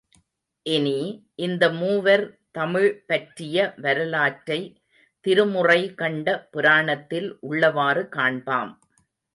இனி, இந்த மூவர் தமிழ் பற்றிய வரலாற்றை, திருமுறை கண்ட புராணத்தில் உள்ளவாறு காண்பாம்.